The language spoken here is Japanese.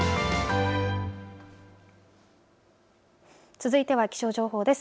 続いては気象情報です。